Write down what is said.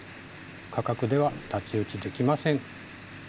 価格では太刀打ちできません。